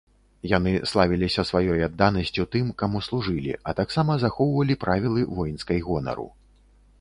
Яны славіліся сваёй адданасцю тым, каму служылі, а таксама захоўвалі правілы воінскай гонару.